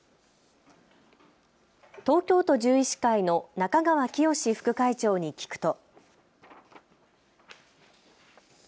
東京都獣医師会の中川清志副会長に聞くと。